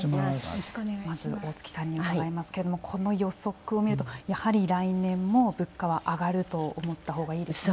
まず大槻さんに伺いますけれどもこの予測を見るとやはり来年も物価は上がると思ったほうがいいですね。